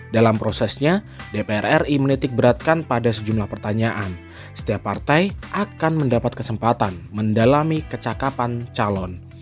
dalam prosesnya dpr ri menitik beratkan pada sejumlah pertanyaan setiap partai akan mendapat kesempatan mendalami kecakapan calon